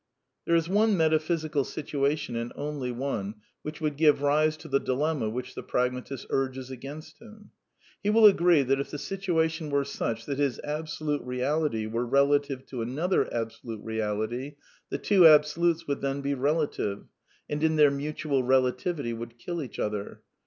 There is one metaphysical situation, and only one, which would give rise to the dilemma which the pragmatist urges against him. He will agree that if the situation were such that his absolute Reality were relative to another absolute Reality, the two absolutes would then be relative, and in their mutual relativity would kill each other.